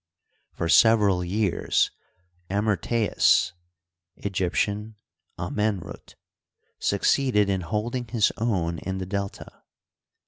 For several years AmyrtcBus (Eg)rptian, Amenruf) succeeded in holding his own in the Delta.